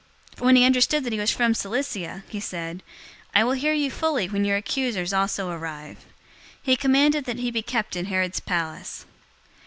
When he understood that he was from Cilicia, he said, 023:035 "I will hear you fully when your accusers also arrive." He commanded that he be kept in Herod's palace.